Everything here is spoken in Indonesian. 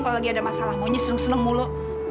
kalau lagi ada masalah monyi sering seneng mulu